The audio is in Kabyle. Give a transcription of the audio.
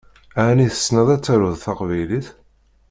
Ɛni tessneḍ ad taruḍ taqbaylit?